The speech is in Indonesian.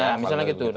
nah misalnya gitu